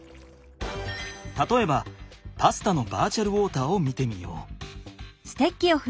たとえばパスタのバーチャルウォーターを見てみよう。